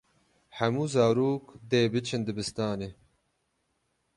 Hemû zarok dê biçin dibistanê.